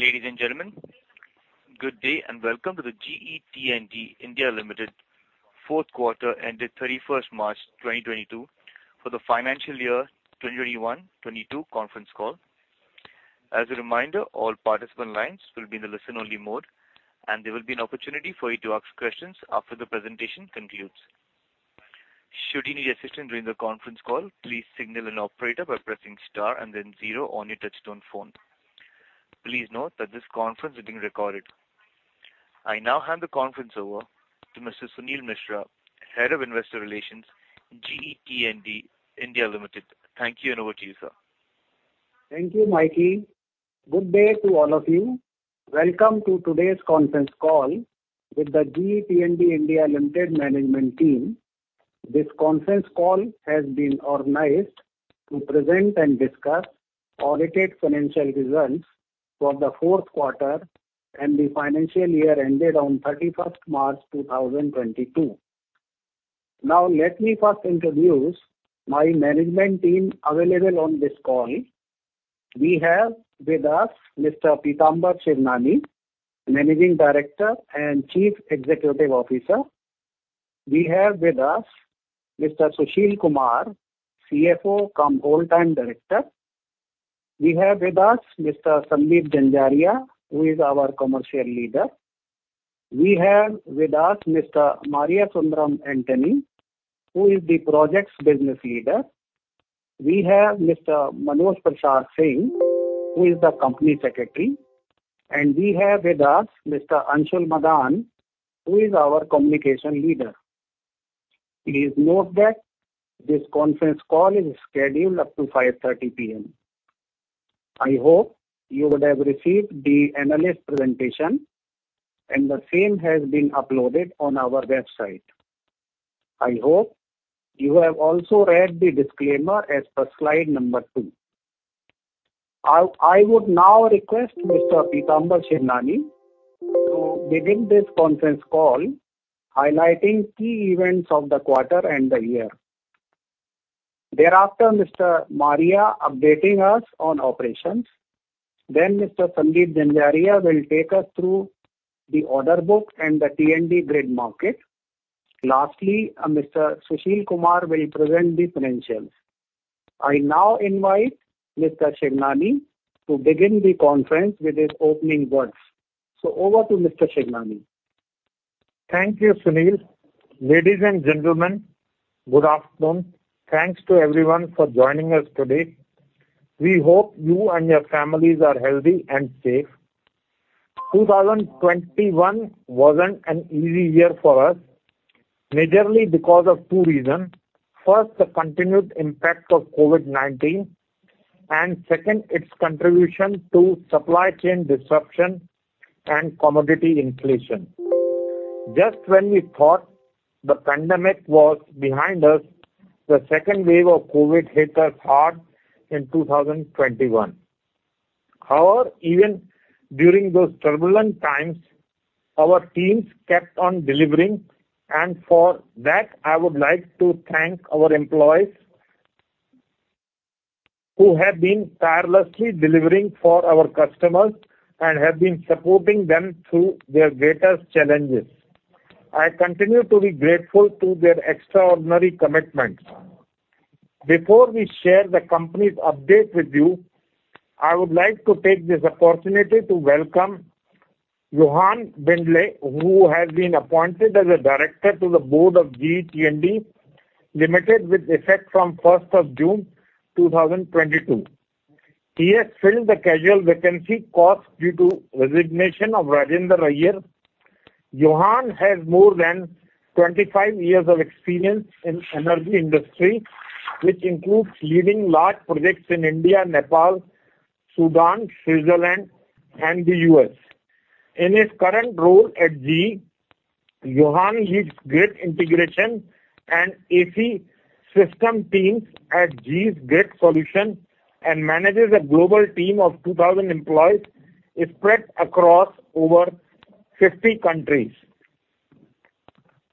Ladies and gentlemen, good day and welcome to the GE T&D India Limited fourth quarter ended 31st March 2022 for the financial year 2021-2022 conference call. As a reminder, all participant lines will be in the listen-only mode, and there will be an opportunity for you to ask questions after the presentation concludes. Should you need assistance during the conference call, please signal an operator by pressing star and then zero on your touch-tone phone. Please note that this conference is being recorded. I now hand the conference over to Mr. Suneel Mishra, Head of Investor Relations, GE T&D India Limited. Thank you, and over to you, sir. Thank you, Mikey. Good day to all of you. Welcome to today's conference call with the GE T&D India Limited management team. This conference call has been organized to present and discuss audited financial results for the fourth quarter and the financial year ended on 31st March 2022. Now let me first introduce my management team available on this call. We have with us Mr. Pitamber Shivnani, Managing Director and Chief Executive Officer. We have with us Mr. Sushil Kumar, CFO cum whole-time Director. We have with us Mr. Sandeep Zanzaria, who is our Commercial Leader. We have with us Mr. Mariasundaram Antony, who is the Projects Business Leader. We have Mr. Manoj Prasad Singh, who is the Company Secretary. We have with us Mr. Anshul Madaan, who is our Communication Leader. Please note that this conference call is scheduled up to 5:30 p.m. I hope you would have received the analyst presentation, and the same has been uploaded on our website. I hope you have also read the disclaimer as per slide number two. I would now request Mr. Pitamber Shivnani to begin this conference call highlighting key events of the quarter and the year. Thereafter, Mr. Mariasundaram Antony updating us on operations. Then Mr. Sandeep Zanzaria will take us through the order book and the T&D grid market. Lastly, Mr. Sushil Kumar will present the financials. I now invite Mr. Shivnani to begin the conference with his opening words. Over to Mr. Shivnani. Thank you, Suneel. Ladies and gentlemen, good afternoon. Thanks to everyone for joining us today. We hope you and your families are healthy and safe. 2021 wasn't an easy year for us, majorly because of two reasons. First, the continued impact of COVID-19, and second, its contribution to supply chain disruption and commodity inflation. Just when we thought the pandemic was behind us, the second wave of COVID hit us hard in 2021. However, even during those turbulent times, our teams kept on delivering, and for that, I would like to thank our employees who have been tirelessly delivering for our customers and have been supporting them through their greatest challenges. I continue to be grateful to their extraordinary commitments. Before we share the company's update with you, I would like to take this opportunity to welcome Johan Bindele, who has been appointed as a Director to the Board of GE T&D India Limited with effect from first of June 2022. He has filled the casual vacancy caused due to resignation of Rajendra Iyer. Johan has more than 25 years of experience in energy industry, which includes leading large projects in India, Nepal, Sudan, Switzerland, and the U.S. In his current role at GE, Johan leads grid integration and AC system teams at GE's Grid Solutions and manages a global team of 2,000 employees spread across over 50 countries.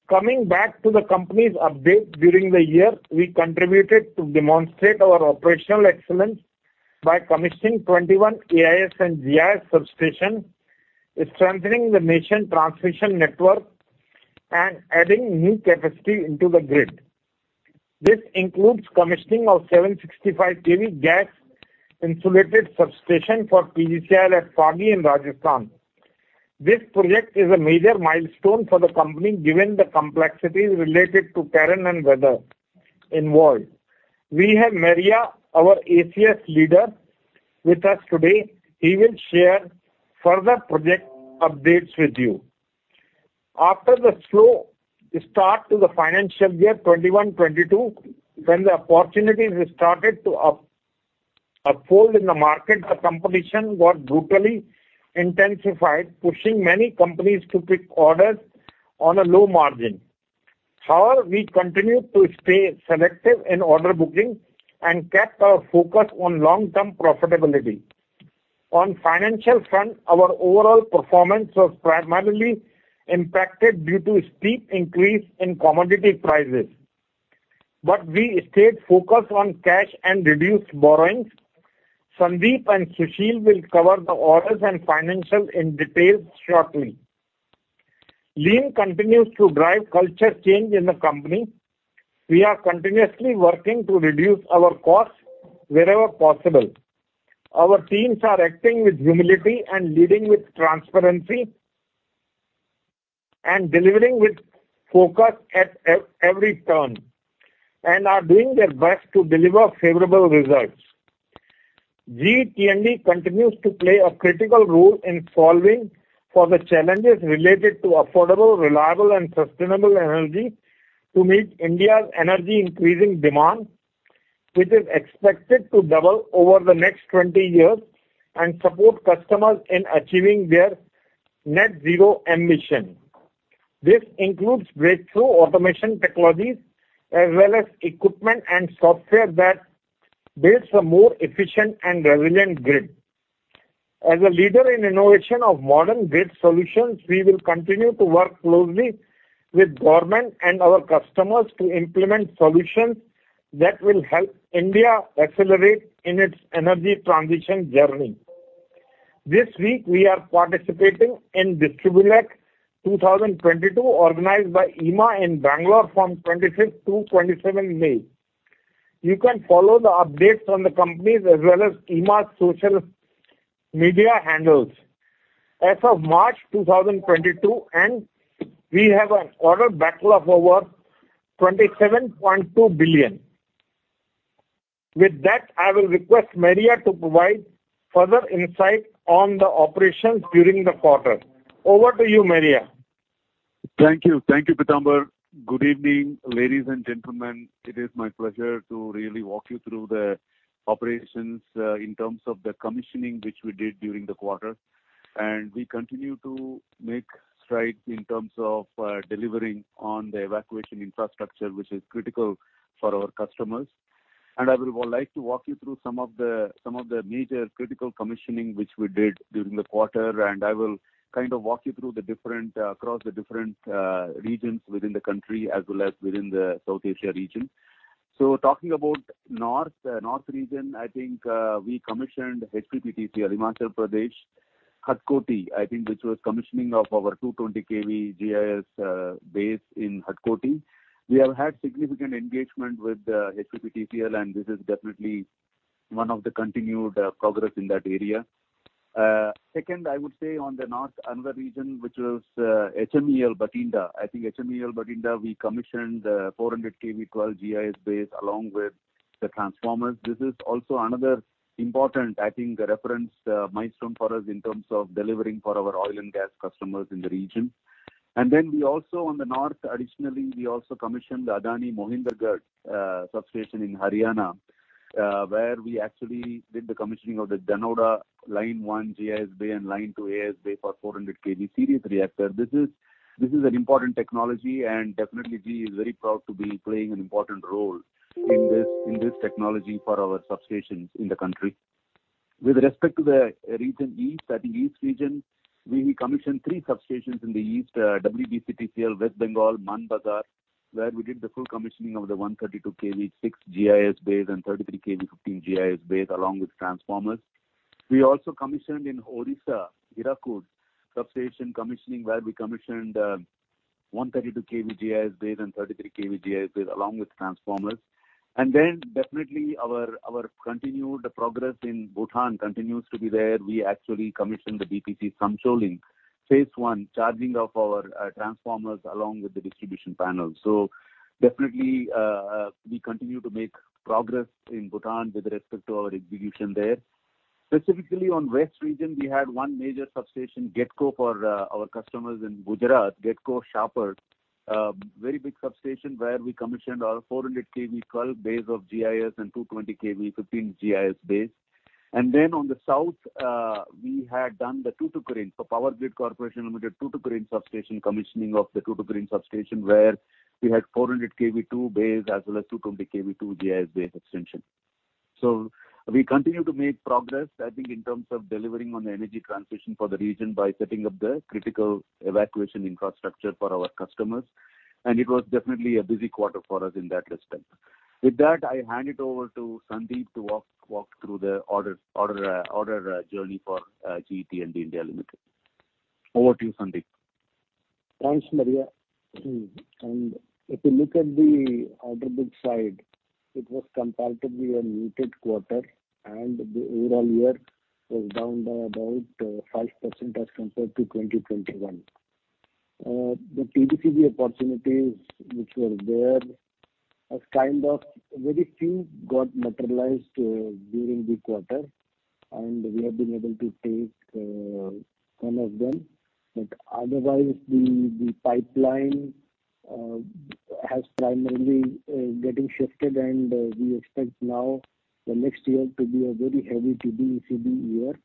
Coming back to the company's update, during the year, we contributed to demonstrate our operational excellence by commissioning 21 AIS and GIS substations, strengthening the national transmission network and adding new capacity into the grid. This includes commissioning of 765 kV gas-insulated substation for PGCIL at Phagi in Rajasthan. This project is a major milestone for the company, given the complexities related to terrain and weather involved. We have Mariasundaram, our ACS leader, with us today. He will share further project updates with you. After the slow start to the financial year 2021-2022, when the opportunities started to unfold in the market, the competition got brutally intensified, pushing many companies to pick orders on a low margin. However, we continued to stay selective in order booking and kept our focus on long-term profitability. On financial front, our overall performance was primarily impacted due to steep increase in commodity prices. We stayed focused on cash and reduced borrowings. Sandeep and Sushil will cover the orders and financials in detail shortly. Lean continues to drive culture change in the company. We are continuously working to reduce our costs wherever possible. Our teams are acting with humility and leading with transparency, and delivering with focus at every turn, and are doing their best to deliver favorable results. GE T&D continues to play a critical role in solving for the challenges related to affordable, reliable, and sustainable energy to meet India's increasing energy demand, which is expected to double over the next 20 years, and support customers in achieving their net zero emission. This includes breakthrough automation technologies as well as equipment and software that builds a more efficient and resilient grid. As a leader in innovation of modern grid solutions, we will continue to work closely with government and our customers to implement solutions that will help India accelerate in its energy transition journey. This week, we are participating in DistribuELEC 2022, organized by IEEMA in Bangalore from 25th to 27th May. You can follow the updates from the companies as well as IEEMA's social media handles. As of March 2022 end, we have an order backlog of over 27.2 billion. With that, I will request Maria to provide further insight on the operations during the quarter. Over to you, Maria. Thank you. Thank you, Pitambar. Good evening, ladies and gentlemen. It is my pleasure to really walk you through the operations in terms of the commissioning which we did during the quarter. We continue to make strides in terms of delivering on the evacuation infrastructure, which is critical for our customers. I would like to walk you through some of the major critical commissioning which we did during the quarter. I will kind of walk you through across the different regions within the country, as well as within the South Asia region. Talking about north region, I think we commissioned HPPTCL Himachal Pradesh. Hatkoti, I think this was commissioning of our 220 kV GIS based in Hatkoti. We have had significant engagement with HPPTCL, and this is definitely one of the continued progress in that area. Second, I would say on the north, another region which was HMEL Bathinda. I think HMEL Bathinda, we commissioned 400 kV 12 GIS bays along with the transformers. This is also another important, I think, reference milestone for us in terms of delivering for our oil and gas customers in the region. Then we also on the north, additionally, we also commissioned the Adani Mohindergarh substation in Haryana, where we actually did the commissioning of the Dhanora line 1 GIS bay and line 2 AIS bay for 400 kV series reactor. This is an important technology, and definitely we are very proud to be playing an important role in this technology for our substations in the country. With respect to the region east, I think east region, we commissioned three substations in the east, WBSETCL, West Bengal, Manbazar, where we did the full commissioning of the 132 kV 6 GIS bays and 33 kV 15 GIS bays, along with transformers. We also commissioned in Odisha, Hirakud Substation commissioning, where we commissioned 132 kV GIS bays and 33 kV GIS bays, along with transformers. Our continued progress in Bhutan continues to be there. We actually commissioned the BPC Samtse link. Phase one, charging of our transformers along with the distribution panels. We continue to make progress in Bhutan with respect to our execution there. Specifically on the West region, we had one major substation, GETCO, for our customers in Gujarat. GETCO Shapar, very big substation where we commissioned our 400 kV 12 bays of GIS and 220 kV 15 GIS bays. Then on the South, we had done the Thoothukudi. Power Grid Corporation of India Limited, Thoothukudi Substation, commissioning of the Thoothukudi Substation, where we had 400 kV 2 bays as well as 220 kV 2 GIS bays extension. We continue to make progress, I think, in terms of delivering on the energy transition for the region by setting up the critical evacuation infrastructure for our customers. It was definitely a busy quarter for us in that respect. With that, I hand it over to Sandeep to walk through the order journey for GE T&D India Limited. Over to you, Sandeep. Thanks, Maria. If you look at the order book side, it was comparatively a muted quarter, and the overall year was down by about 5% as compared to 2021. The TBCB opportunities which were there, only very few got materialized during the quarter, and we have been able to take some of them. Otherwise, the pipeline has primarily getting shifted, and we expect now the next year to be a very heavy TBCB year.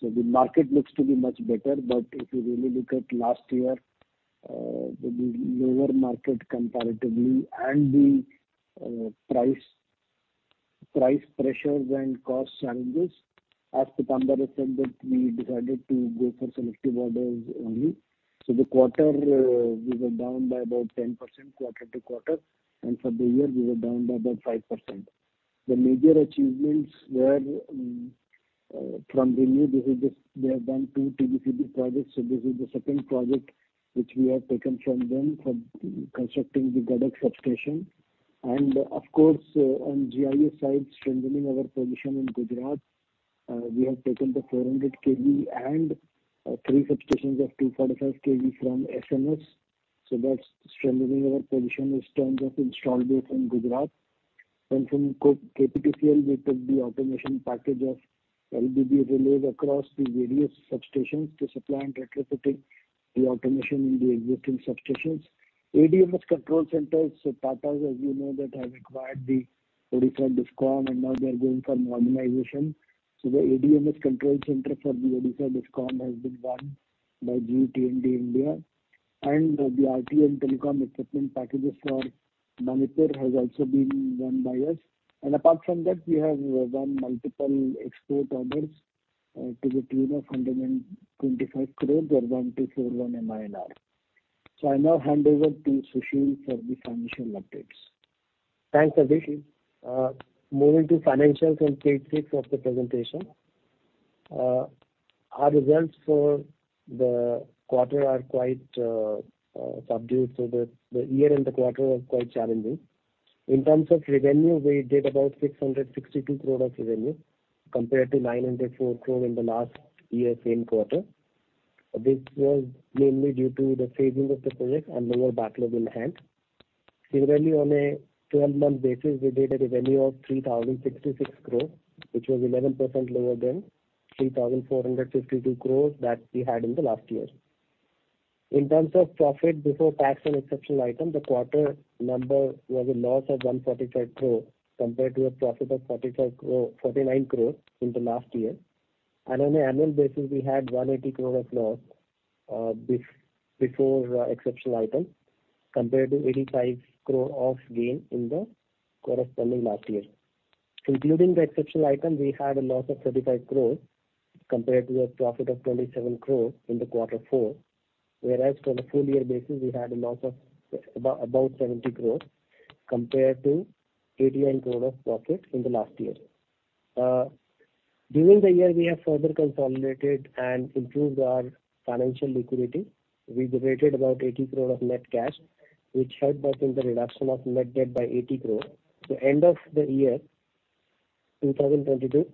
The market looks to be much better. If you really look at last year, the lower market comparatively and the price Price pressures and cost challenges. As Pitambar has said that we decided to go for selective orders only. The quarter, we were down by about 10% quarter-over-quarter, and for the year we were down by about 5%. The major achievements were from ReNew. They have done two TBCB projects, so this is the second project which we have taken from them for constructing the Gadag substation. Of course, on GIS side, strengthening our position in Gujarat, we have taken the 400 kV and three substations of 245 kV from SMS. That's strengthening our position in terms of install base in Gujarat. From KPTCL, we took the automation package of LDB relays across the various substations to supply and retrofitting the automation in the existing substations. ADMS control centers, Tata, as you know, that have acquired the Odisha DISCOM, and now they are going for normalization. The ADMS control center for the Odisha DISCOM has been won by GE T&D India. The IT and telecom equipment packages for Manipur has also been won by us. Apart from that, we have won multiple export orders to the tune of 125 crore or 124.1 million. I now hand over to Sushil for the financial updates. Thanks, Sandeep. Moving to financials on page six of the presentation. Our results for the quarter are quite subdued. The year and the quarter was quite challenging. In terms of revenue, we did about 662 crore of revenue, compared to 904 crore in the last year same quarter. This was mainly due to the phasing of the projects and lower backlog in hand. Similarly, on a 12-month basis, we did a revenue of 3,066 crore, which was 11% lower than 3,452 crore that we had in the last year. In terms of profit before tax and exceptional item, the quarter number was a loss of 145 crore compared to a profit of 45 crore, 49 crore in the last year. On an annual basis, we had 180 crore of loss before exceptional item, compared to 85 crore of gain in the corresponding last year. Including the exceptional item, we had a loss of 35 crores compared to a profit of 27 crore in the quarter four. Whereas on a full year basis, we had a loss of about 70 crore compared to 89 crore of profit in the last year. During the year, we have further consolidated and improved our financial liquidity. We generated about 80 crore of net cash, which helped us in the reduction of net debt by 80 crore. End of the year, 2022,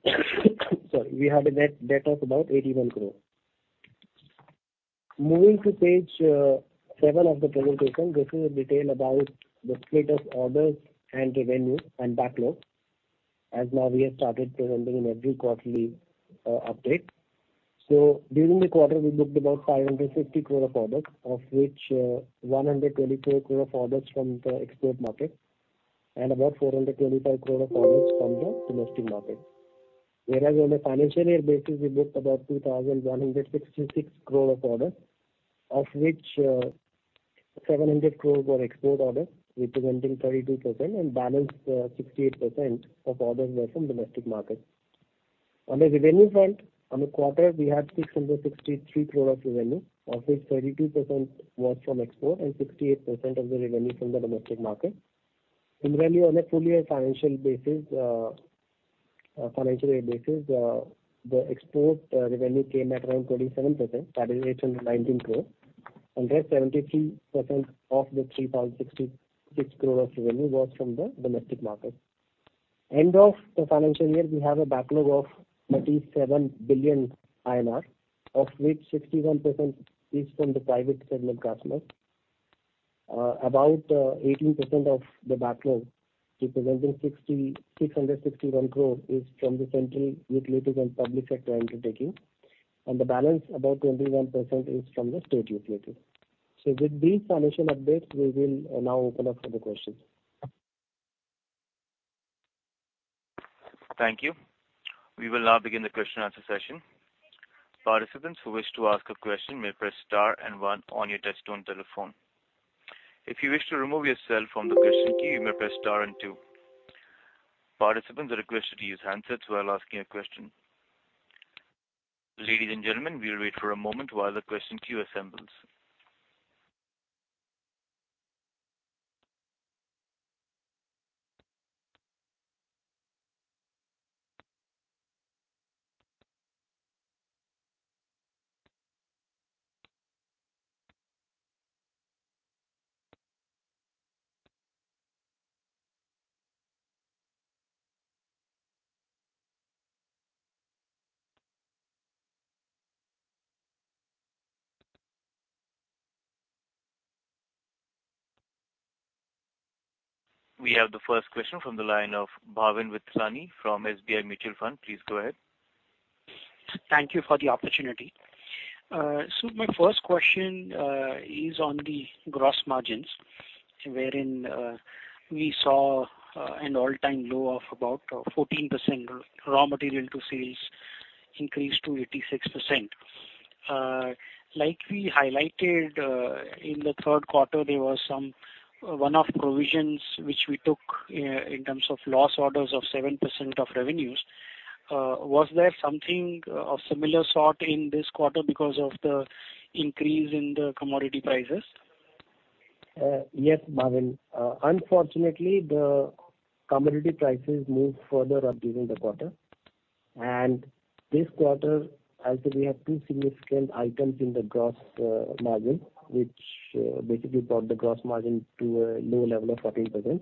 sorry, we had a net debt of about 81 crore. Moving to page seven of the presentation. This is a detail about the split of orders and revenue and backlog. As now we have started presenting in every quarterly update. During the quarter, we booked about 550 crore of orders, of which, 124 crore of orders from the export market, and about 425 crore of orders from the domestic market. Whereas on a financial year basis, we booked about 2,166 crore of orders, of which, 700 crore were export orders, representing 32%, and balance, 68% of orders were from domestic market. On the revenue front, on the quarter, we had 663 crore of revenue, of which 32% was from export and 68% of the revenue from the domestic market. Similarly, on a full year financial basis, the export revenue came at around 27%, that is 819 crore. Rest 73% of the 3,066 crore of revenue was from the domestic market. End of the financial year, we have a backlog of 37 billion INR, of which 61% is from the private segment customers. About 18% of the backlog, representing 6,661 crore, is from the central utilities and public sector undertaking. The balance, about 21%, is from the state utility. With these financial updates, we will now open up for the questions. Thank you. We will now begin the question answer session. Participants who wish to ask a question may press star and one on your touch-tone telephone. If you wish to remove yourself from the question queue, you may press star and two. Participants are requested to use handsets while asking a question. Ladies and gentlemen, we'll wait for a moment while the question queue assembles. We have the first question from the line of Bhavin Vithlani from SBI Mutual Fund. Please go ahead. Thank you for the opportunity. My first question is on the gross margins, wherein we saw an all-time low of about 14%, raw material to sales increase to 86%. Like we highlighted, in the third quarter, there was some one-off provisions which we took in terms of loss orders of 7% of revenues. Was there something of similar sort in this quarter because of the increase in the commodity prices? Yes, Bhavin. Unfortunately, the commodity prices moved further up during the quarter. This quarter, actually we have two significant items in the gross margin, which basically brought the gross margin to a low level of 14%.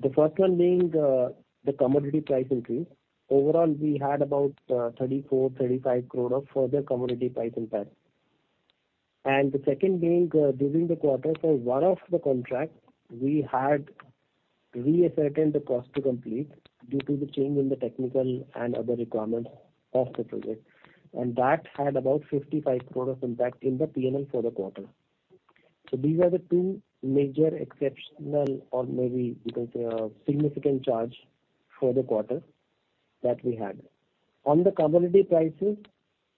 The first one being the commodity price increase. Overall, we had about 34-35 crore of further commodity price impact. The second being, during the quarter, for one of the contract, we had reassessed the cost to complete due to the change in the technical and other requirements of the project. That had about 55 crore of impact in the P&L for the quarter. These are the two major exceptional or maybe you can say a significant charge for the quarter that we had. On the commodity prices,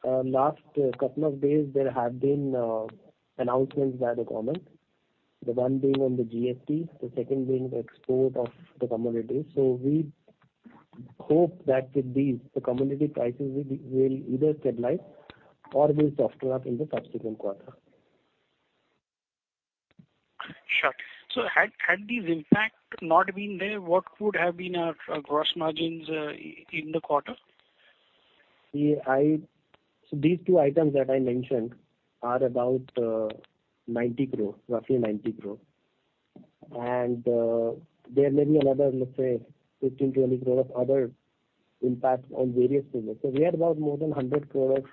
last couple of days there have been announcements by the government. The one being on the GST, the second being the export of the commodities. We hope that with these, the commodity prices will either stabilize or will soften up in the subsequent quarter. Sure. Had these impact not been there, what could have been our gross margins in the quarter? These two items that I mentioned are about 90 crore, roughly 90 crore. There may be another, let's say 15-20 crore of other impact on various projects. We had about more than 100 crore of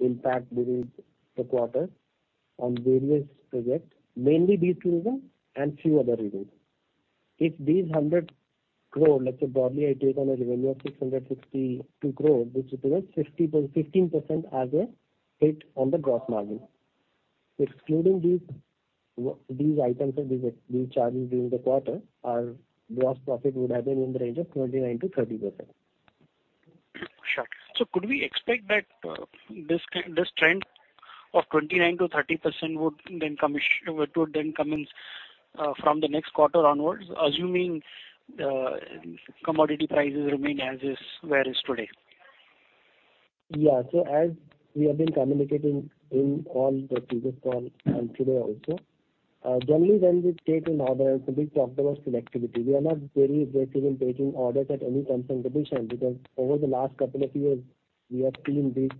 impact during the quarter on various projects, mainly these two reasons and few other reasons. If these 100 crore, let's say broadly I take on a revenue of 662 crore, this represents 15% as a hit on the gross margin. Excluding these items or these charges during the quarter, our gross profit would have been in the range of 29%-30%. Sure. Could we expect that this trend of 29%-30% would then come in from the next quarter onwards, assuming commodity prices remain as is where is today? As we have been communicating in all previous calls and today also, generally when we take an order, we talk about selectivity. We are not very aggressive in taking orders at any competitive condition, because over the last couple of years, we have seen these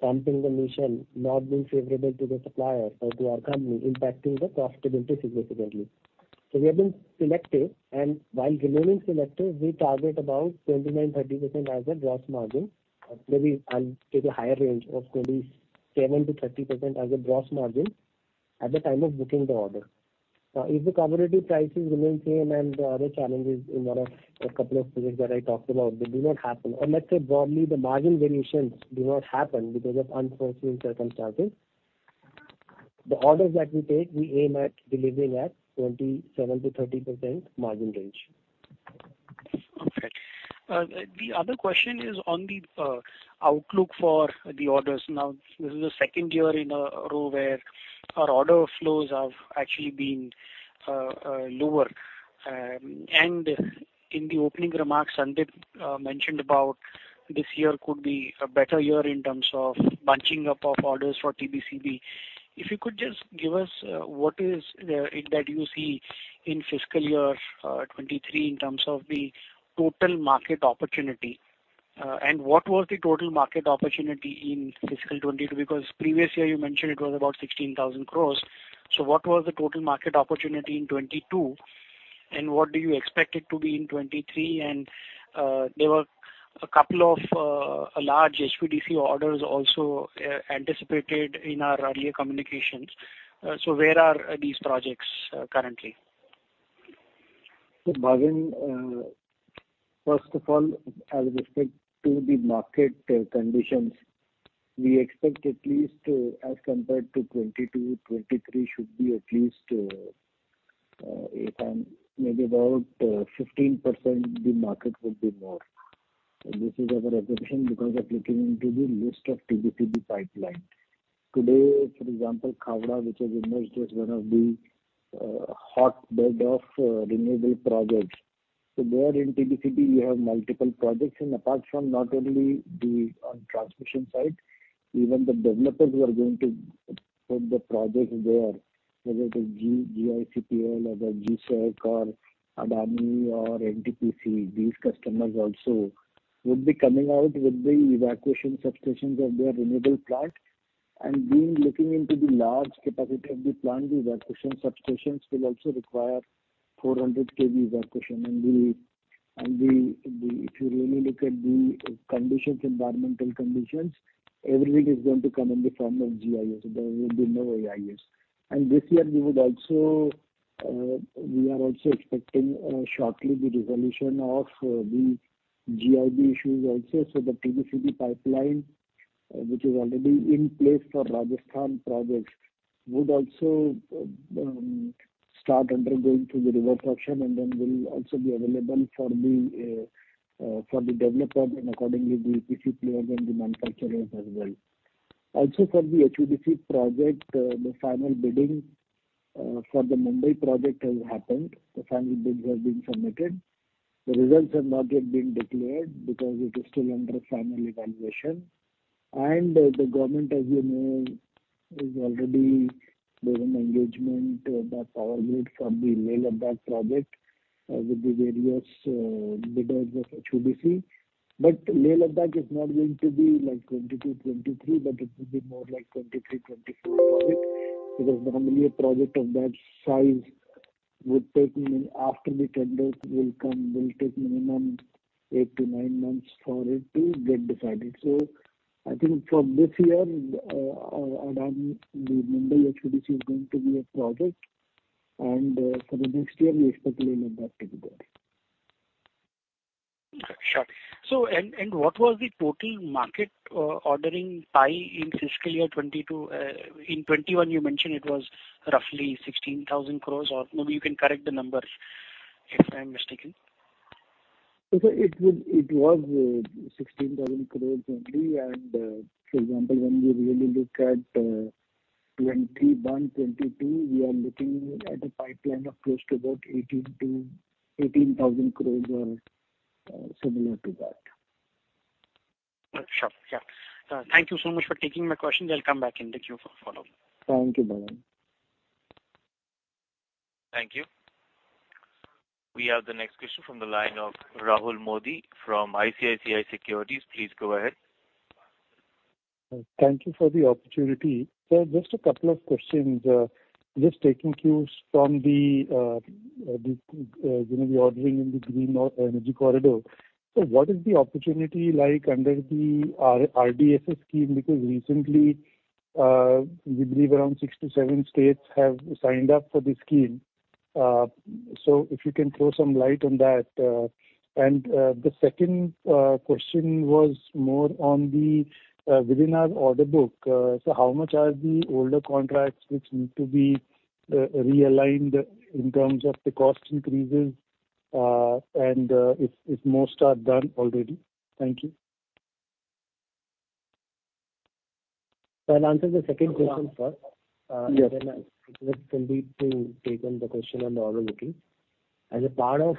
bumpy conditions not being favorable to the supplier or to our company impacting the profitability significantly. We have been selective. While remaining selective, we target about 29%-30% as a gross margin. Maybe I'll take a higher range of maybe 27%-30% as a gross margin at the time of booking the order. If the commodity prices remain the same and the other challenges in one or a couple of projects that I talked about, they do not happen. Let's say broadly, the margin variations do not happen because of unforeseen circumstances. The orders that we take, we aim at delivering at 27%-30% margin range. Okay. The other question is on the outlook for the orders. Now, this is the second year in a row where our order flows have actually been lower. In the opening remarks, Sandeep mentioned about this year could be a better year in terms of bunching up of orders for TBCB. If you could just give us what you see in fiscal year 2023 in terms of the total market opportunity. What was the total market opportunity in fiscal 2022? Because previous year you mentioned it was about 16,000 crores. So what was the total market opportunity in 2022? And what do you expect it to be in 2023? There were a couple of large SPDC orders also anticipated in our earlier communications. Where are these projects currently? Bhavin, first of all, with respect to the market conditions, we expect at least as compared to 2022-2023 should be at least, if I maybe about 15% the market will be more. This is our expectation because of looking into the list of TBCB pipeline. Today, for example, Khavda, which has emerged as one of the hotbed of renewable projects. There in TBCB you have multiple projects. Apart from not only the on transmission side, even the developers who are going to put the project there, whether it is GIPCL or the GSECL or Adani or NTPC, these customers also would be coming out with the evacuation substations of their renewable plant. We, looking into the large capacity of the plant, the evacuation substations will also require 400 kV evacuation. If you really look at the conditions, environmental conditions, everything is going to come in the form of GIS. There will be no AIS. This year we would also, we are also expecting shortly the resolution of the GIB issues also. The TBCB pipeline which is already in place for Rajasthan projects would also start undergoing through the reverse auction and then will also be available for the developer and accordingly the EPC players and the manufacturers as well. Also for the HVDC project, the final bidding for the Mumbai project has happened. The final bids have been submitted. The results have not yet been declared because it is still under final evaluation. The government, as you know, there's already an engagement with the Power Grid for the Leh-Ladakh project with the various bidders of HVDC. Leh-Ladakh is not going to be like 2022, 2023, but it will be more like 2023, 2024 project. Because normally a project of that size would take, after the tenders come, minimum eight to nine months for it to get decided. I think for this year, Adani, the Mumbai HVDC is going to be a project and, for the next year we expect Leh-Ladakh to be there. Sure. What was the total market ordering pie in fiscal year 2022? In 2021 you mentioned it was roughly 16,000 crore or maybe you can correct the numbers if I'm mistaken. It was 16,000 crore only. For example, when we really look at 2021, 2022, we are looking at a pipeline of close to about 18,000 crore or similar to that. Sure. Yeah. Thank you so much for taking my question. I'll come back in the queue for follow-up. Thank you, Bhavin. Thank you. We have the next question from the line of Rahul Modi from ICICI Securities. Please go ahead. Thank you for the opportunity. Just a couple of questions. Just taking cues from the, you know, the ordering in the green energy corridor. What is the opportunity like under the RDSS scheme? Because recently, we believe around six to seven states have signed up for the scheme. If you can throw some light on that. And the second question was more on the within our order book. How much are the older contracts which need to be realigned in terms of the cost increases, and if most are done already? Thank you. I'll answer the second question first. Yes. I'll let Sandeep to take on the question on the order booking. As a part of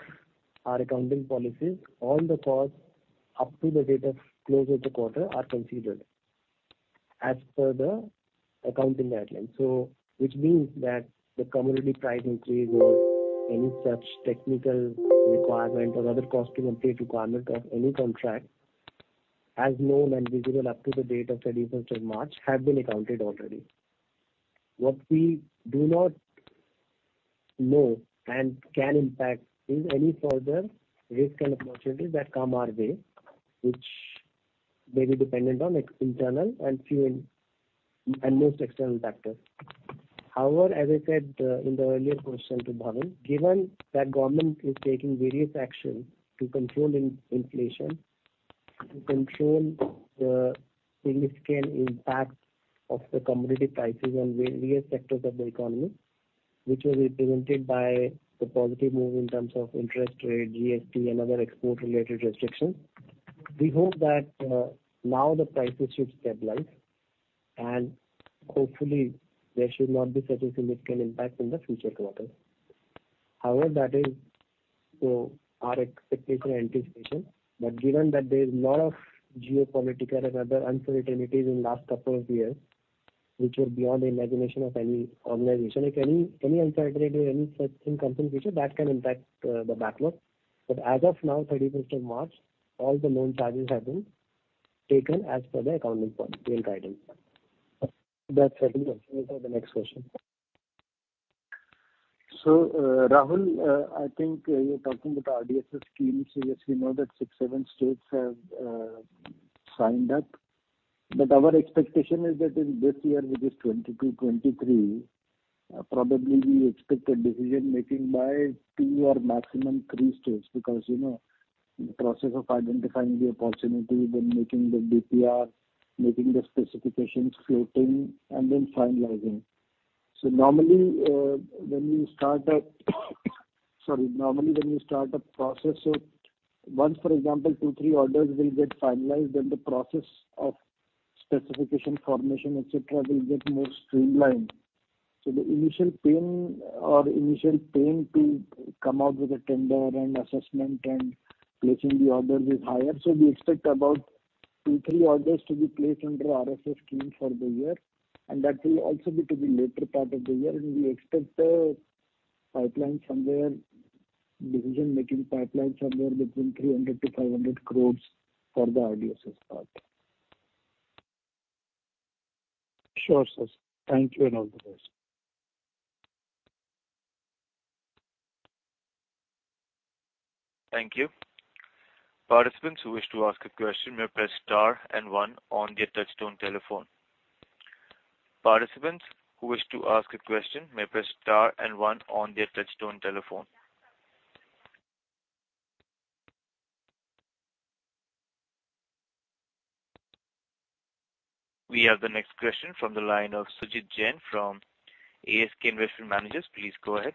our accounting policies, all the costs up to the date of close of the quarter are considered as per the accounting guidelines. Which means that the commodity price increase or any such technical requirement or other cost to complete requirement of any contract as known and visible up to the date of 31st of March have been accounted already. What we do not know and can impact is any further risk and opportunities that come our way, which may be dependent on internal and a few internal and most external factors. However, as I said, in the earlier question to Bhavin, given that government is taking various action to control inflation, to control the significant impact of the commodity prices on various sectors of the economy, which was represented by the positive move in terms of interest rate, GST and other export related restrictions. We hope that, now the prices should stabilize and hopefully there should not be such a significant impact in the future quarters. However, that is, you know, our expectation anticipation. Given that there is lot of geopolitical and other uncertainties in last couple of years, which were beyond the imagination of any organization, like any uncertainty or any such thing comes in future that can impact, the backlog. As of now, 31st of March, all the known charges have been taken as per the accounting policy guidelines. That's settled then. Please have the next question. Rahul, I think you're talking about RDSS scheme. Yes, we know that six to seven states have signed up. Our expectation is that in this year, which is 2022-2023, probably we expect a decision making by two or maximum three states. Because, you know, the process of identifying the opportunity, then making the DPR, making the specifications, quoting and then finalizing. Normally when you start a process, once, for example, two to three orders will get finalized, then the process of specification formation, et cetera, will get more streamlined. The initial pain to come out with a tender and assessment and placing the orders is higher. We expect about two to three orders to be placed under RDSS scheme for the year, and that will also be to the later part of the year. We expect a pipeline somewhere, decision making pipeline somewhere between 300-500 crores for the RDSS part. Sure, sir. Thank you and all the best. Thank you. Participants who wish to ask a question may press star and one on their touch-tone telephone. Participants who wish to ask a question may press star and one on their touch-tone telephone. We have the next question from the line of Sumit Jain from ASK Investment Managers. Please go ahead.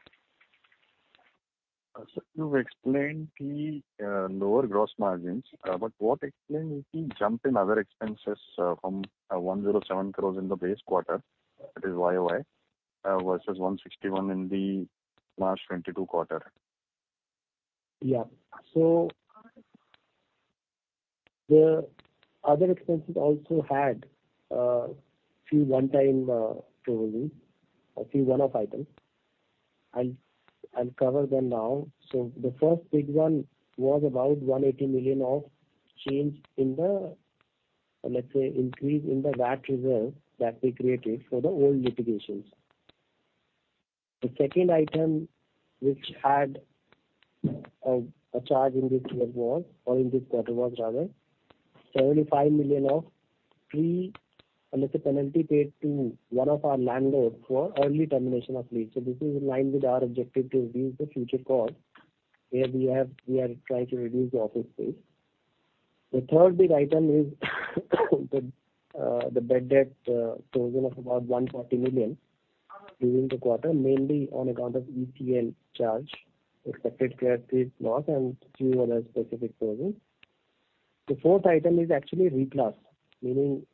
You explained the lower gross margins, but what explains the jump in other expenses, from 107 crore in the base quarter, that is YoY, versus 161 crore in the March 2022 quarter? Yeah. The other expenses also had few one-time provisioning, a few one-off items. I'll cover them now. The first big one was about 180 million of change in the, let's say, increase in the VAT reserve that we created for the old litigations. The second item which had a charge in this year was, or in this quarter was rather INR 75 million of penalty paid to one of our landlords for early termination of lease. This is in line with our objective to reduce the future cost, where we are trying to reduce the office space. The third big item is the bad debt provision of about 140 million during the quarter, mainly on account of ECL charge, expected credit loss, and few other specific provisions. The fourth item is actually reclassed, meaning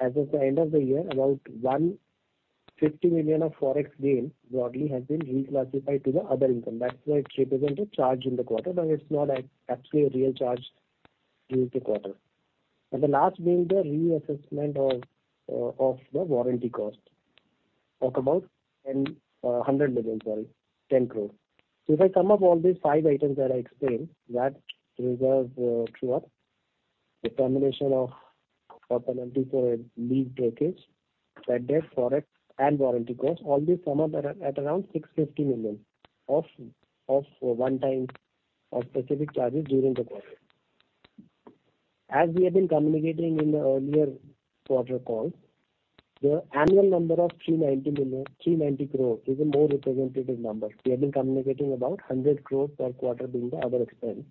as of the end of the year, about 150 million of Forex gain broadly has been reclassified to the other income. That's why it represents a charge in the quarter, but it's not actually a real charge during the quarter. The last being the reassessment of the warranty cost of about 10 crore. If I sum up all these five items that I explained, VAT reserve true-up, the termination of penalty for lease breakage, bad debt, Forex, and warranty costs, all these sum up at around 650 million of one-time or specific charges during the quarter. As we have been communicating in the earlier quarter calls, the annual number of 390 crore is a more representative number. We have been communicating about 100 crores per quarter being the other expense,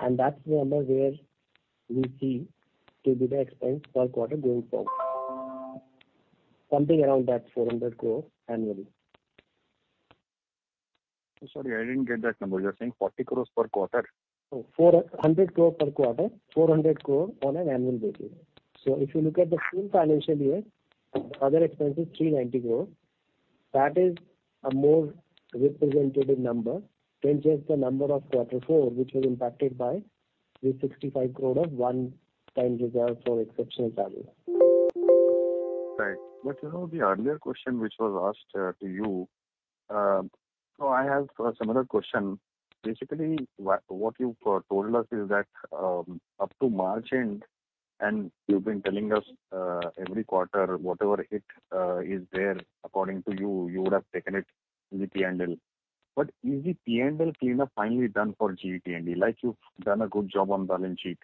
and that's the number where we see to be the expense per quarter going forward. Something around that 400 crore annually. Sorry, I didn't get that number. You're saying 40 crore per quarter? 400 crore per quarter, 400 crore on an annual basis. If you look at the full financial year, other expense is 390 crore. That is a more representative number than just the number of quarter four, which was impacted by the 65 crore of one-time reserve for exceptional value. Right. You know, the earlier question which was asked to you, so I have a similar question. Basically, what you've told us is that, up to March end, and you've been telling us every quarter, whatever it is there, according to you would have taken it in the P&L. Is the P&L cleanup finally done for GE T&D? Like, you've done a good job on balance sheet.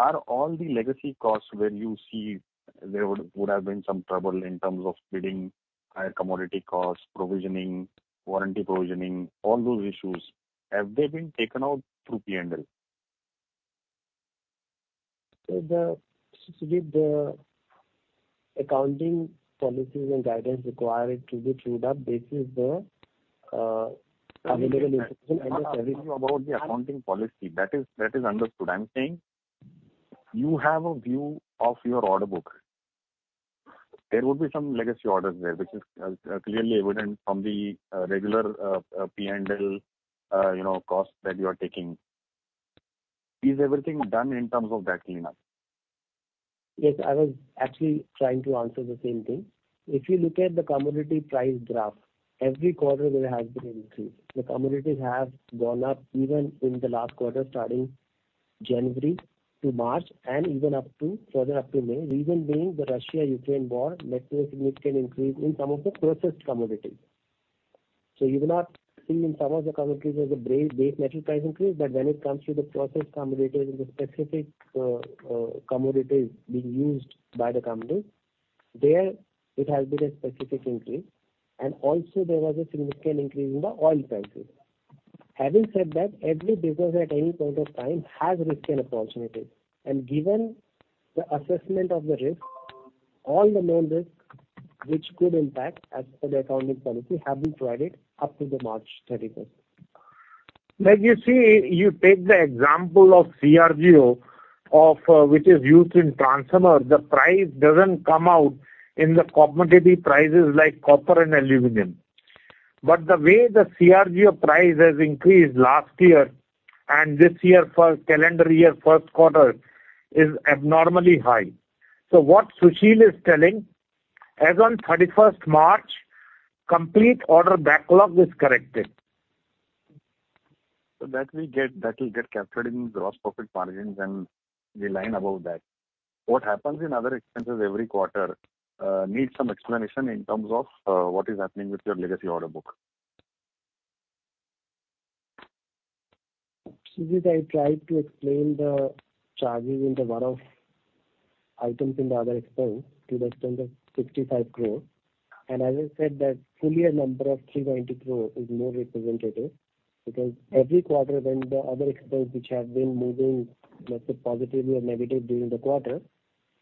Are all the legacy costs where you see there would have been some trouble in terms of bidding, higher commodity costs, provisioning, warranty provisioning, all those issues, have they been taken out through P&L? Sumit, the accounting policies and guidance require it to be trued up based on the available information. I'm not asking you about the accounting policy. That is understood. I'm saying you have a view of your order book. There would be some legacy orders there, which is clearly evident from the regular P&L, you know, costs that you are taking. Is everything done in terms of that cleanup? Yes, I was actually trying to answer the same thing. If you look at the commodity price graph, every quarter there has been an increase. The commodities have gone up even in the last quarter, starting January to March and even up to, further up to May. Reason being the Russia-Ukraine war led to a significant increase in some of the processed commodities. You will not see in some of the commodities as a base metal price increase, but when it comes to the processed commodities and the specific commodities being used by the company, there it has been a specific increase, and also there was a significant increase in the oil prices. Having said that, every business at any point of time has risks and uncertainties. Given the assessment of the risk, all the known risks which could impact as per the accounting policy have been provided up to the March 31st. Like you see, you take the example of CRGO, which is used in transformers. The price doesn't come out in the commodity prices like copper and aluminum. The way the CRGO price has increased last year and this year for calendar year first quarter is abnormally high. What Sushil is telling, as on 31st March, complete order backlog is corrected. That will get captured in gross profit margins and the line above that. What happens in other expenses every quarter needs some explanation in terms of what is happening with your legacy order book. Sumit, I tried to explain the charges in the breakup of items in the other expense to the extent of 65 crore. As I said that full-year number of 300 crore is more representative, because every quarter when the other expense which have been moving, let's say, positively or negative during the quarter,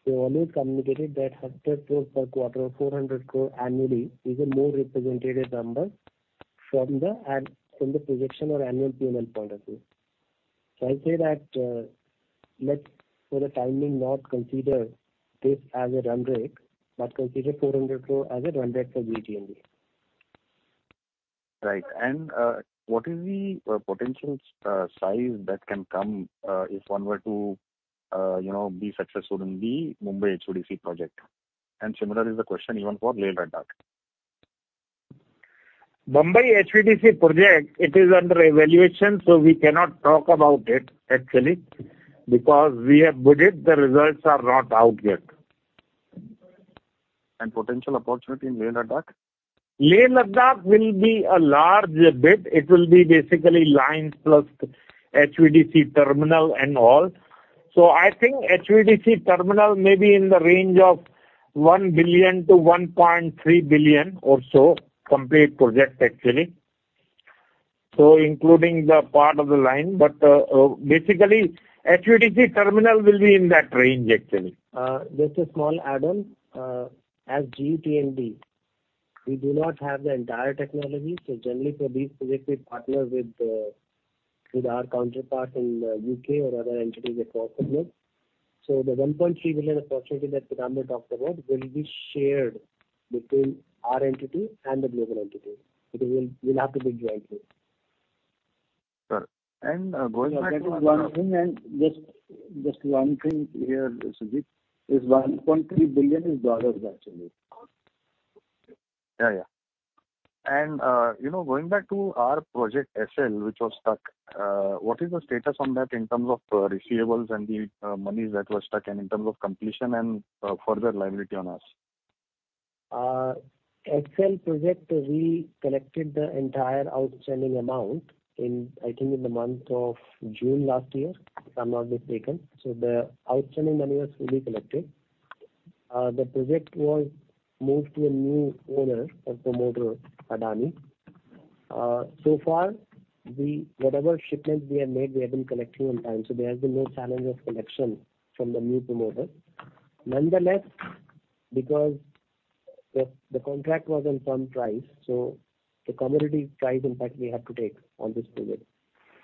we always communicated that 100 crore per quarter or 400 crore annually is a more representative number from the projection or annual P&L point of view. I'll say that, let's for the time being not consider this as a run rate, but consider 400 crore as a run rate for GE T&D. Right. What is the potential size that can come if one were to you know be successful in the Mumbai HVDC project? Similar is the question even for Leh-Ladakh. Mumbai HVDC project, it is under evaluation, so we cannot talk about it actually. Because we have bid it, the results are not out yet. Potential opportunity in Leh-Ladakh? Leh-Ladakh will be a large bid. It will be basically lines plus HVDC terminal and all. I think HVDC terminal may be in the range of $1 billion-$1.3 billion or so, complete project actually. Including the part of the line. Basically HVDC terminal will be in that range, actually. Just a small add on. As GE T&D, we do not have the entire technology. Generally for these projects we partner with our counterpart in U.K. or other entities if possible. The $1.3 billion opportunity that Pramod talked about will be shared between our entity and the global entity. It will have to bid jointly. Sure. That is one thing and just one thing here, Sumit. This $1.3 billion is dollars actually. Yeah, yeah. You know, going back to our project Essar which was stuck. What is the status on that in terms of receivables and the monies that were stuck and in terms of completion and further liability on us? Essar project, we collected the entire outstanding amount in, I think in the month of June last year, some amount was taken. The outstanding money was fully collected. The project was moved to a new owner or promoter, Adani. So far, whatever shipments we have made, we have been collecting on time, so there has been no challenge of collection from the new promoter. Nonetheless, because the contract was on firm price, the commodity price impact we have to take on this project.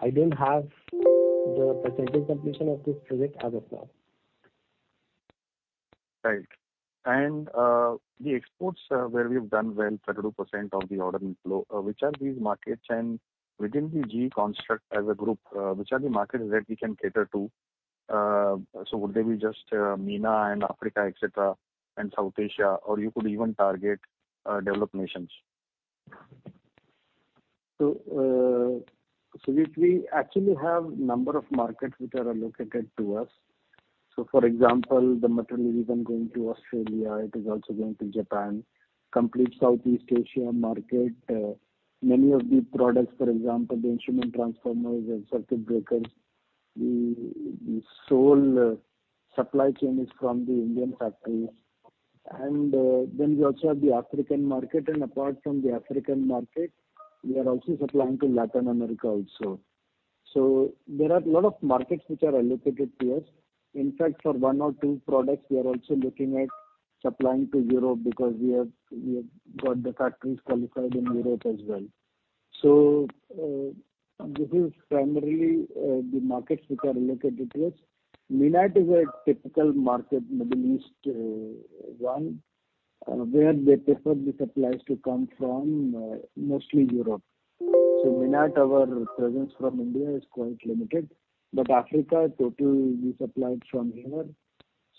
I don't have the percentage completion of this project as of now. Right. The exports, where we've done well, 32% of the order inflow. Which are these markets and within the GE construct as a group, which are the markets that we can cater to? Would they be just MENA and Africa, et cetera, and South Asia? Or you could even target developed nations. Sumit, we actually have number of markets which are allocated to us. For example, the material is even going to Australia, it is also going to Japan, complete Southeast Asia market. Many of the products, for example, the instrument transformers and circuit breakers, the sole supply chain is from the Indian factories. Then we also have the African market. Apart from the African market, we are also supplying to Latin America also. There are a lot of markets which are allocated to us. In fact, for one or two products we are also looking at supplying to Europe because we have got the factories qualified in Europe as well. This is primarily the markets which are allocated to us. MENAT is a typical market, Middle East, one, where they prefer the supplies to come from, mostly Europe. MENAT, our presence from India is quite limited, but Africa total we supplied from here,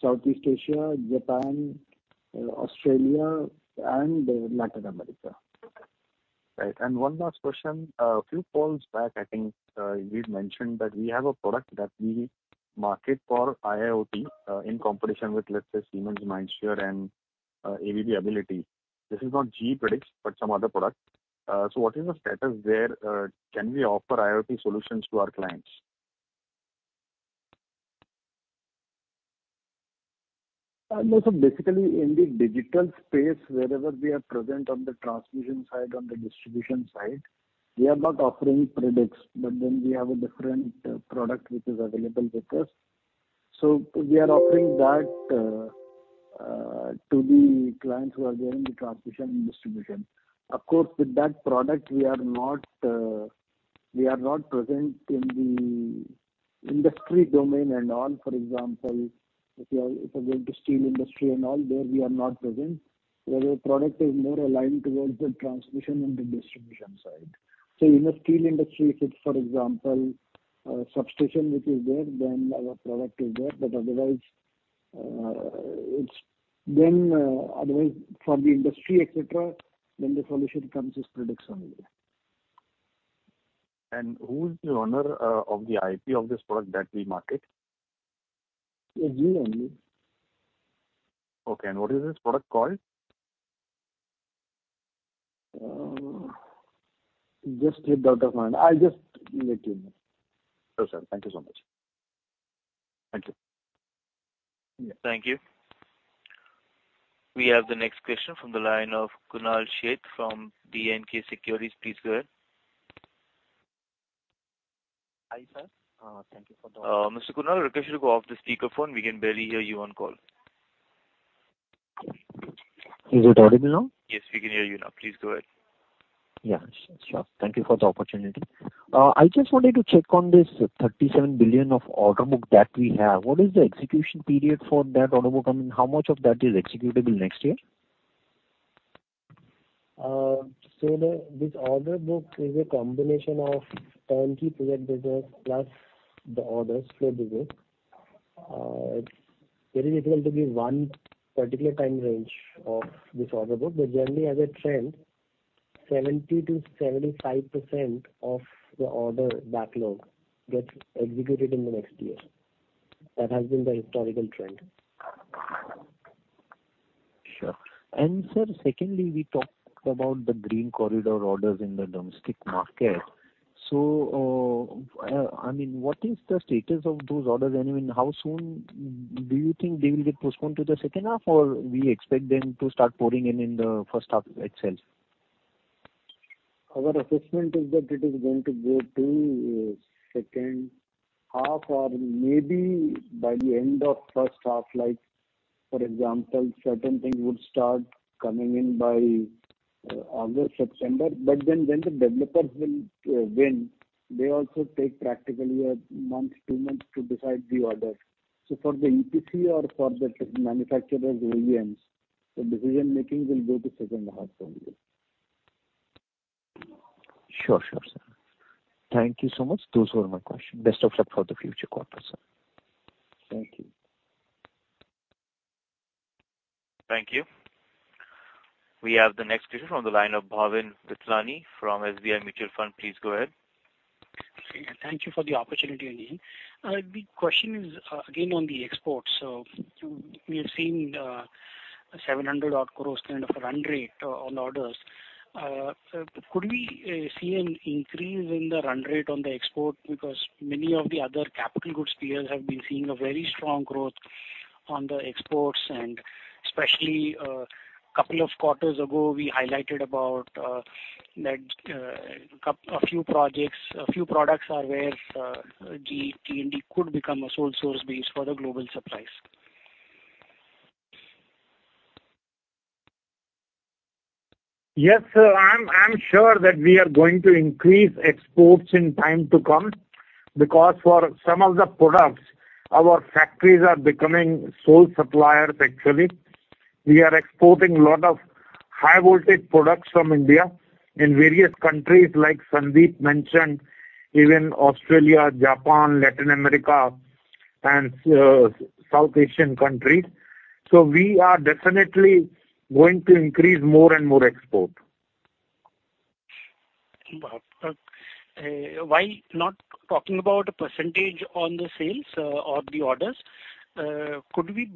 Southeast Asia, Japan, Australia and Latin America. Right. One last question. A few calls back, I think, you'd mentioned that we have a product that we market for IIoT, in competition with, let's say, Siemens MindSphere and ABB Ability. This is not GE Predix, but some other product. What is the status there? Can we offer IIoT solutions to our clients? Also basically in the digital space, wherever we are present on the transmission side, on the distribution side, we are not offering Predix. We have a different product which is available with us. We are offering that to the clients who are there in the transmission and distribution. Of course, with that product we are not present in the industry domain and all. For example, if you're going to steel industry and all, there we are not present. Our product is more aligned towards the transmission and the distribution side. In the steel industry, if it's for example, a substation which is there, then our product is there. Otherwise, it's then otherwise for the industry et cetera, then the solution comes as Predix only. Who is the owner of the IP of this product that we market? It's GE only. Okay. What is this product called? Just hit the other one. I'll just mute you. Sure, sir. Thank you so much. Thank you. Thank you. We have the next question from the line of Kunal Sheth from B&K Securities. Please go ahead. Hi, sir. Thank you for the- Mr. Kunal, request you to go off the speaker phone. We can barely hear you on call. Is it audible now? Yes, we can hear you now. Please go ahead. Yeah, sure. Thank you for the opportunity. I just wanted to check on this 37 billion of order book that we have. What is the execution period for that order book? I mean, how much of that is executable next year? This order book is a combination of turnkey project business plus the order flow business. It's very difficult to give one particular time range of this order book. Generally, as a trend, 70%-75% of the order backlog gets executed in the next year. That has been the historical trend. Sure. Sir, secondly, we talked about the green corridor orders in the domestic market. I mean, what is the status of those orders? I mean, how soon do you think they will get postponed to the second half? We expect them to start pouring in in the first half itself? Our assessment is that it is going to go to, second half or maybe by the end of first half, like, for example, certain things would start coming in by, August, September. When the developers will, win, they also take practically a month, two months to decide the order. For the EPC or for the manufacturers' OEMs, the decision-making will go to second half only. Sure, sure, sir. Thank you so much. Those were my questions. Best of luck for the future quarter, sir. Thank you. Thank you. We have the next question on the line of Bhavin Vithlani from SBI Mutual Fund. Please go ahead. Thank you for the opportunity again. The question is again on the exports. We have seen 700-odd crore kind of a run rate on orders. Could we see an increase in the run rate on the export? Because many of the other capital goods peers have been seeing a very strong growth on the exports, and especially couple of quarters ago we highlighted about that a few projects, a few products are where GE T&D could become a sole source base for the global supplies. Yes, sir. I'm sure that we are going to increase exports in time to come, because for some of the products, our factories are becoming sole suppliers actually. We are exporting a lot of high voltage products from India in various countries like Sandeep mentioned, even Australia, Japan, Latin America and South Asian countries. We are definitely going to increase more and more export. While not talking about a percentage on the sales or the orders, could we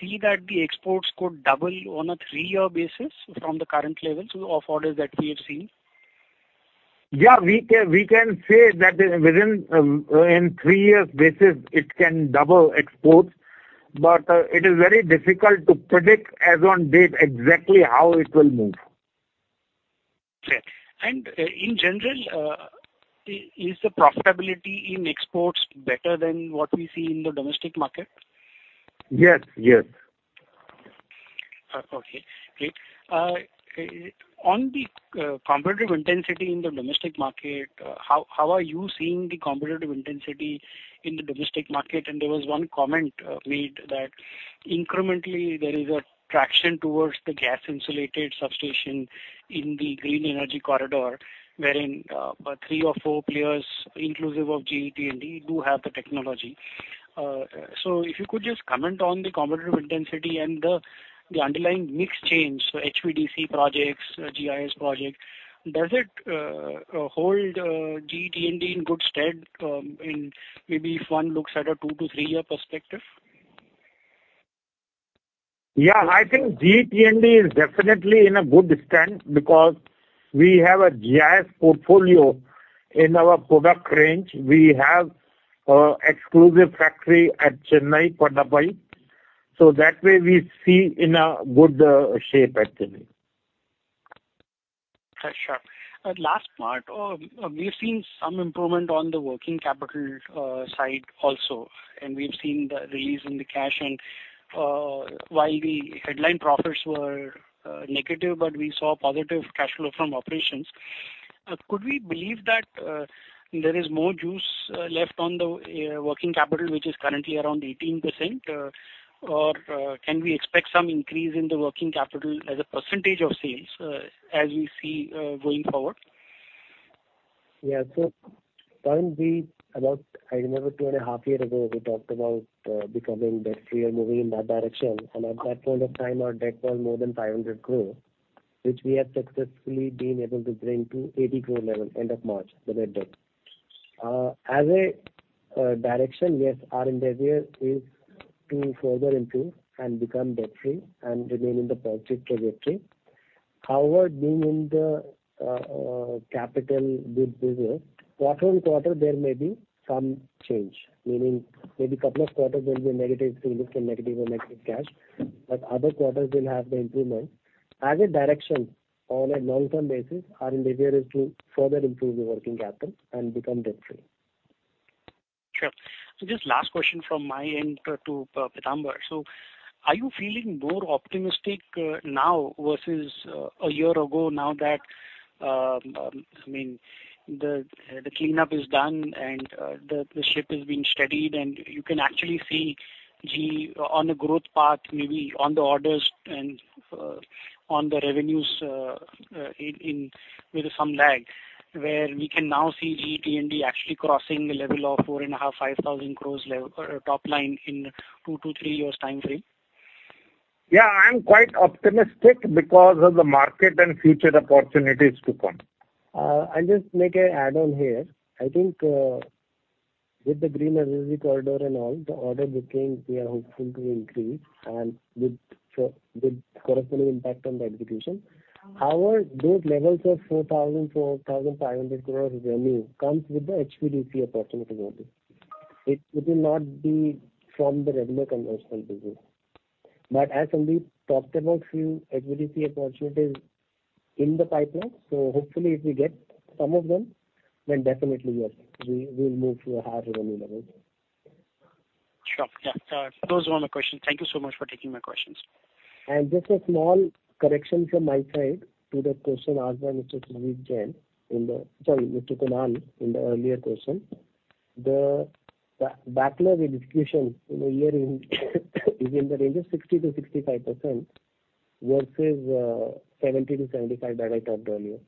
see that the exports could double on a three-year basis from the current levels of orders that we have seen? Yeah, we can say that within in three years basis it can double exports, but it is very difficult to predict as on date exactly how it will move. Clear. In general, is the profitability in exports better than what we see in the domestic market? Yes, yes. Okay, great. On the competitive intensity in the domestic market, how are you seeing the competitive intensity in the domestic market? There was one comment made that incrementally there is a traction towards the gas insulated substation in the green energy corridor, wherein three or four players inclusive of GE T&D do have the technology. If you could just comment on the competitive intensity and the underlying mix change, so HVDC projects, GIS projects, does it hold GE T&D in good stead, in maybe if one looks at a two to three-year perspective? Yeah. I think GE T&D is definitely in good stead because we have a GIS portfolio in our product range. We have exclusive factory at Chennai, Padappai. That way we see in a good shape actually. Sure. Last part. We've seen some improvement on the working capital side also, and we've seen the release in the cash. While the headline profits were negative, but we saw positive cash flow from operations. Could we believe that there is more juice left on the working capital, which is currently around 18%? Or can we expect some increase in the working capital as a percentage of sales as we see going forward? Yeah. Currently, about two and a half years ago, I remember we talked about becoming debt-free or moving in that direction. At that point of time, our debt was more than 500 crore, which we have successfully been able to bring to 80 crore level end of March, the net debt. As a direction, yes, our endeavor is to further improve and become debt free and remain in the positive trajectory. However, being in the capital goods business, quarter on quarter there may be some change. Meaning maybe couple of quarters will be negative free cash flow or negative cash, but other quarters will have the improvement. As a direction on a long-term basis, our endeavor is to further improve the working capital and become debt free. Sure. Just last question from my end to Pitambar. Are you feeling more optimistic now versus a year ago now that I mean the cleanup is done and the ship has been steadied and you can actually see GE on a growth path, maybe on the orders and on the revenues in with some lag? Where we can now see GE T&D actually crossing a level of 4,500-5,000 crore top line in two to three years time frame? Yeah, I'm quite optimistic because of the market and future opportunities to come. I'll just make an add-on here. I think, with the green energy corridor and all, the order booking, we are hopeful to increase and with corresponding impact on the execution. However, those levels of 4,000-4,500 crore revenue comes with the HVDC opportunities only. It will not be from the regular conventional business. As Suneel talked about few HVDC opportunities in the pipeline, hopefully if we get some of them, then definitely, yes, we'll move to a higher revenue level. Sure. Yeah. Those were my questions. Thank you so much for taking my questions. Just a small correction from my side to the question asked by Mr. Kunal in the earlier question. The backlog execution in the year is in the range of 60%-65% versus 70%-75% that I talked earlier.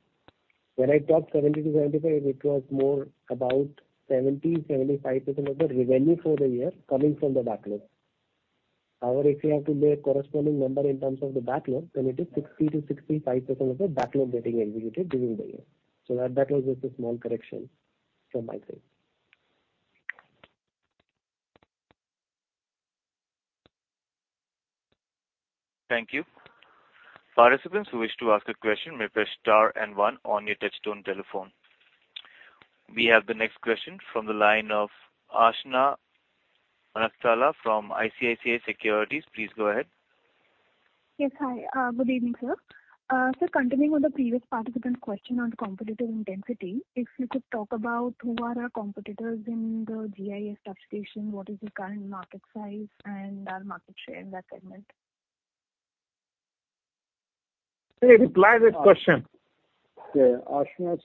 When I talked 70%-75%, it was more about 70%-75% of the revenue for the year coming from the backlog. However, if you have to take corresponding number in terms of the backlog, then it is 60%-65% of the backlog getting executed during the year. That backlog is a small correction from my side. Thank you. Participants who wish to ask a question may press star and one on your touch-tone telephone. We have the next question from the line of Aashna Manaktala from ICICI Securities. Please go ahead. Yes. Hi. Good evening, sir. Sir, continuing on the previous participant's question on the competitive intensity, if you could talk about who are our competitors in the GIS substation, what is the current market size and our market share in that segment? Please reply this question. Aashna,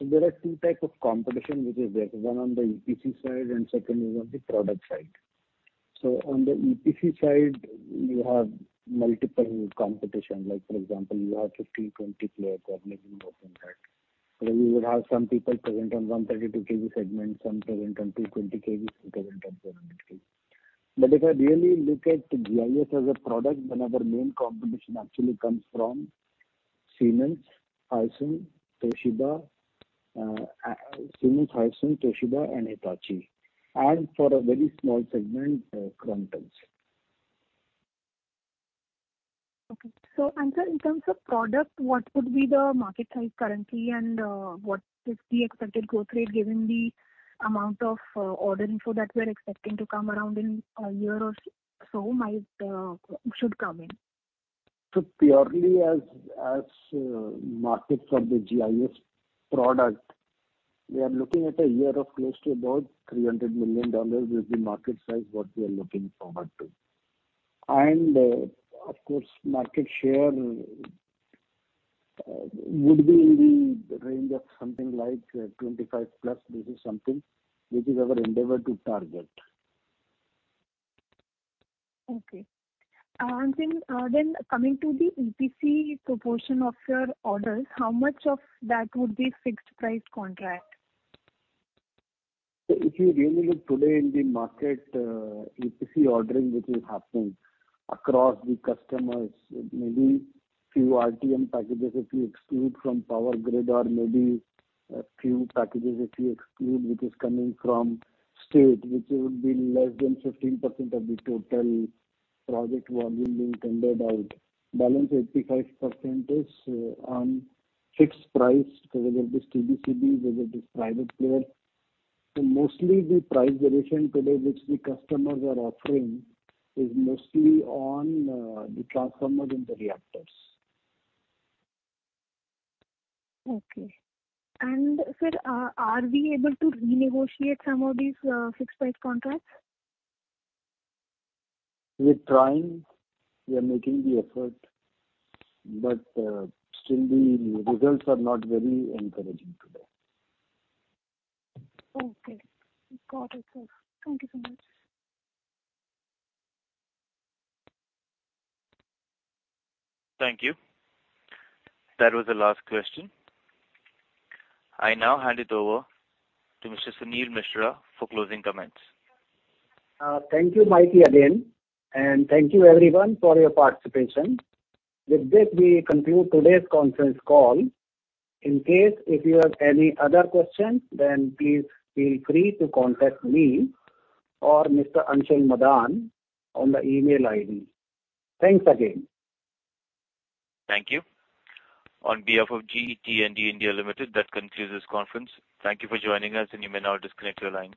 there are two types of competition which is there. One on the EPC side and second is on the product side. On the EPC side you have multiple competition. Like for example, you have 15, 20 players who are making offerings there. Then you will have some people present on 132 kV segment, some present on 220 kV, some present on 765 kV. But if I really look at GIS as a product, then our main competition actually comes from Siemens, Alstom, Toshiba, and Hitachi. For a very small segment, Crompton's. Okay. Anshul, in terms of product, what would be the market size currently and what is the expected growth rate given the amount of order inflow that we're expecting to come around in a year or so? Purely as markets of the GIS product, we are looking at a year of close to about $300 million which will be market size what we are looking forward to. Of course, market share would be in the range of something like 25%+. This is something which is our endeavor to target. Coming to the EPC proportion of your orders, how much of that would be fixed price contract? If you really look today in the market, EPC ordering which is happening across the customers, maybe few R&M packages if you exclude from Power Grid or maybe a few packages if you exclude which is coming from state, which would be less than 15% of the total project what will be tendered out. Balance 85% is on fixed price, whether it is TBCB, whether it is private player. Mostly the price variation today which the customers are offering is mostly on the transformers and the reactors. Okay. Sir, are we able to renegotiate some of these fixed price contracts? We're trying. We are making the effort, but still the results are not very encouraging today. Okay. Got it, sir. Thank you so much. Thank you. That was the last question. I now hand it over to Mr. Suneel Mishra for closing comments. Thank you, Operator, again, and thank you everyone for your participation. With this, we conclude today's conference call. In case if you have any other questions, then please feel free to contact me or Mr. Anshul Madaan on the email ID. Thanks again. Thank you. On behalf of GE T&D India Limited, that concludes this conference. Thank you for joining us, and you may now disconnect your lines.